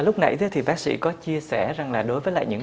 lúc nãy thì bác sĩ có chia sẻ rằng là đối với những